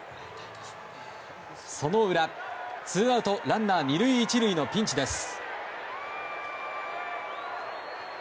その裏ツーアウト、ランナー２塁１塁のピンチです。